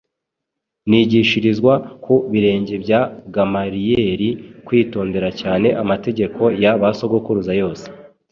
nigishizirizwa ku birenge bya Gamaliyeri kwitondera cyane amategeko ya ba sogokuruza yose,